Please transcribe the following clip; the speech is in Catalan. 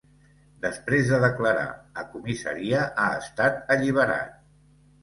Després de declarar a comissaria ha estat alliberat.